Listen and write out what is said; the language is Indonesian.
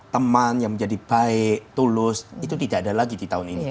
teman yang menjadi baik tulus itu tidak ada lagi di tahun ini